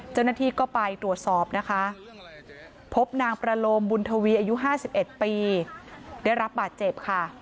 เจ้าหน้าที่ก็ไปตรวจสอบนะคะพบนางประโลมบุญทวีอายุ๕๑ปีได้รับบาดเจ็บค่ะ